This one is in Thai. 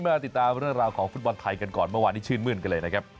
มาติดตามเรื่องราวของฟุตบอลไทยกันก่อนเมื่อวานนี้ชื่นมื้นกันเลยนะครับ